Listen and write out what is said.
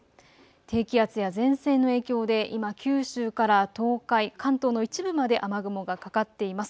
低気圧や前線の影響で今、九州から東海、関東の一部まで雨雲がかかっています。